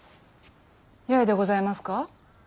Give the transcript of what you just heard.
八重でございますか。